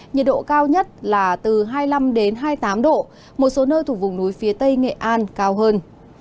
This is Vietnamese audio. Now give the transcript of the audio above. nhiệt độ cao nhất là từ hai mươi năm hai mươi tám độ một số nơi thuộc vùng núi phía tây nghệ an cao hơn